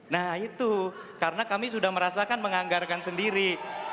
nah itu karena kami sudah merasakan menganggarkan sendiri